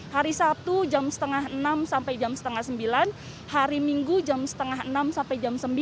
hari sabtu jam setengah enam sampai jam setengah sembilan hari minggu jam setengah enam sampai jam sembilan